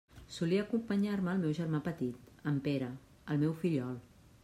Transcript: Solia acompanyar-me el meu germà petit, en Pere, el meu fillol.